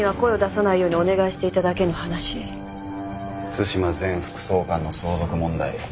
津島前副総監の相続問題。